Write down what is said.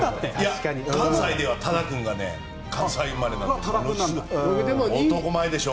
関西では多田君が関西生まれなので男前でしょ。